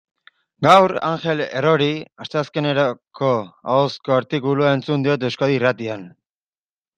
Gaur Angel Errori asteazkeneroko ahozko artikulua entzun diot Euskadi Irratian.